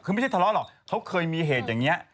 คือไม่ใช่ทะเลาะหรอกเขาเคยมีเหตุอย่างนี้